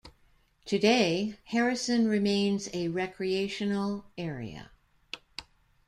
Today, Harrison remains a recreational area.